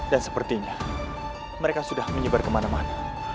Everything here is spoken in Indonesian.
sepertinya mereka sudah menyebar kemana mana